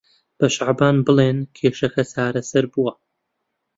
بە شەعبان بڵێن کێشەکە چارەسەر بووە.